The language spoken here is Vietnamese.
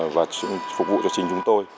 và phục vụ cho chính chúng tôi